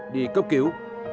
đi cấp cứu